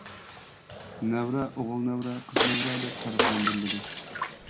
نەۋرە ئوغۇل نەۋرە، قىز نەۋرە دەپ پەرقلەندۈرۈلىدۇ.